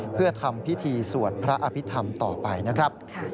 เพื่อทำพิธีสวดพระอภิษฐรรมต่อไปนะครับ